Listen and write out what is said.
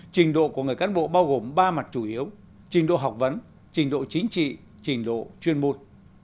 trình độ của người cán bộ bao gồm ba mặt chủ yếu trình độ học vấn trình độ chính trị trình độ chuyên môn